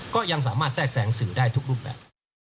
ก็ยังสามารถแทรกแสงสื่อได้ทุกรูปแบบ